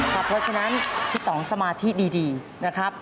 เพราะฉะนั้นพี่ต่องสมาธิดีนะครับ